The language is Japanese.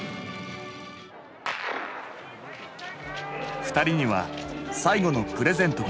２人には最後のプレゼントがあった。